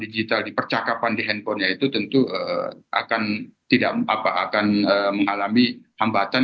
digital di percakapan di handphonenya itu tentu akan tidak akan mengalami hambatan